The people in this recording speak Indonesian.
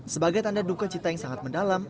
sebagai tanda duka cita yang sangat mendalam